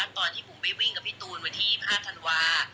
ตอนที่ผมไปวิ่งกับพี่ตูนวันที่๒๕ธันวา